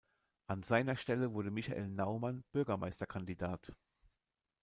An seiner Stelle wurde Michael Naumann Bürgermeisterkandidat.